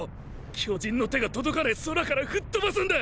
巨人の手が届かねぇ空から吹っ飛ばすんだ！！